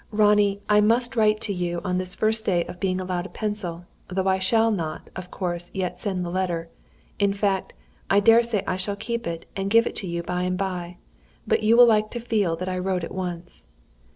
"Ronnie, I must write to you on this first day of being allowed a pencil, though I shall not, of course, yet send the letter. In fact, I daresay I shall keep it, and give it to you by and by. But you will like to feel that I wrote at once.